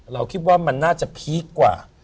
เราคิดว่ามันน่าจะพีคกว่า